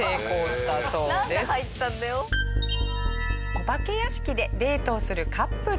お化け屋敷でデートをするカップル。